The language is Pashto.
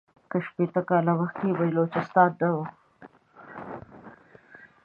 که شپیته کاله مخکي پایلوچان نه وه.